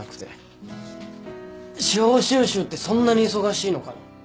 司法修習ってそんなに忙しいのかな？